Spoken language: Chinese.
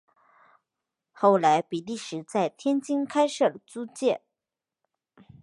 后来比利时在天津开设了租界。